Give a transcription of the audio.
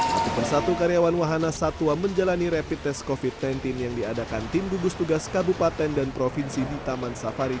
satu persatu karyawan wahana satwa menjalani rapid test covid sembilan belas yang diadakan tim gugus tugas kabupaten dan provinsi di taman safari